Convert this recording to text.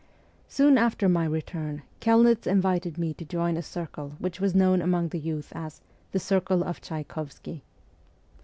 Soon after my return Kelnitz invited me to join a circle which was known among the youth as ' the Circle of Tchaykovsky.'